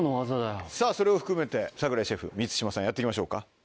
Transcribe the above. さぁそれを含めて櫻井シェフ満島さんやって行きましょうか。